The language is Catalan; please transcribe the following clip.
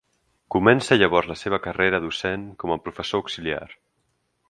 Comença llavors la seva carrera docent com a professor auxiliar.